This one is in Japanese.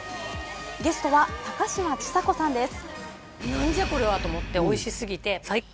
ゲストは高嶋ちさ子さんです。